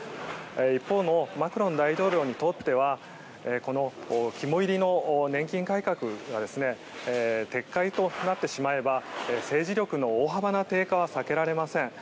一方のマクロン大統領にとっては肝煎りの年金改革が撤回となってしまえば政治力の大幅な低下は避けられません。